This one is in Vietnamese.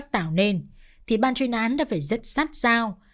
thì ban chuyên án đã phải rất sát sao